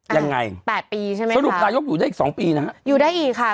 ยังไงแปดปีใช่ไหมสรุปนายกอยู่ได้อีกสองปีนะฮะอยู่ได้อีกค่ะ